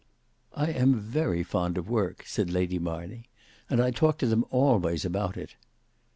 "I am very fond of work," said Lady Marney, "and I talk to them always about it."